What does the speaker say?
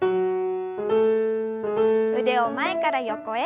腕を前から横へ。